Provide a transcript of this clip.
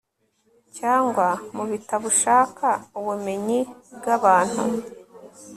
Cyangwa mubitabo ushaka ubumenyi bwabantu